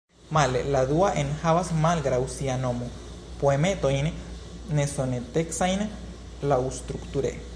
Male, la dua enhavas, malgraŭ sia nomo, poemetojn nesonetecajn laŭstrukture.